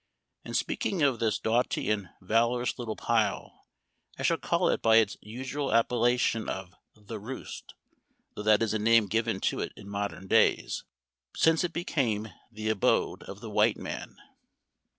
In speaking of this doughty and valorous little pile I shall call it by its usual appellation of ' The Roost,' though that is a name given to it in modern days, since it became the abode of the white man."